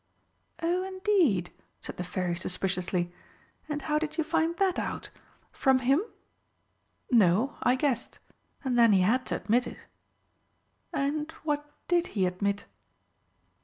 "Oh, indeed," said the Fairy suspiciously. "And how did you find that out? From him?" "No, I guessed. And then he had to admit it." "And what did he admit?"